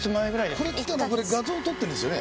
これ画像を撮ってるんですよね？